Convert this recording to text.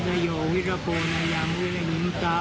สวัสดีครับสวัสดีครับ